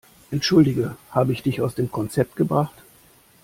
Entschuldige, habe ich dich aus dem Konzept gebracht?